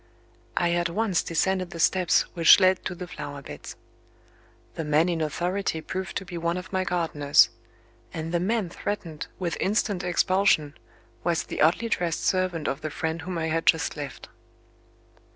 I at once descended the steps which led to the flower beds. The man in authority proved to be one of my gardeners; and the man threatened with instant expulsion was the oddly dressed servant of the friend whom I had just left.